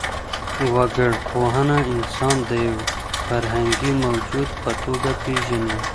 وګړپوهنه انسان د يو فرهنګي موجود په توګه پېژني.